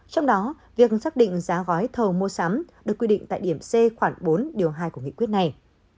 trong đó việc xác định giá gói thầu mua sắm được quy định tại điểm c khoảng bốn điều hai của nghị quyết này